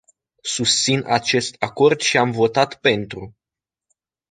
Susțin acest acord și am votat "pentru”.